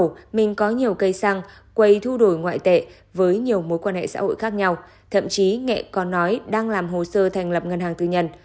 sau mình có nhiều cây xăng quầy thu đổi ngoại tệ với nhiều mối quan hệ xã hội khác nhau thậm chí nghệ còn nói đang làm hồ sơ thành lập ngân hàng tư nhân